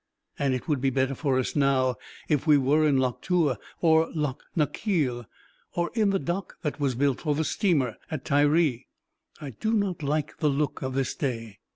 And it would be better for us now if we were in Loch Tua, or Loch na Keal, or in the dock that was built for the steamer at Tiree. I do not like the look of this day."